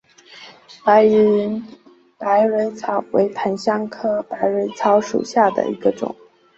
白云百蕊草为檀香科百蕊草属下的一个种。